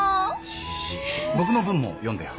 僕の文も読んでよ。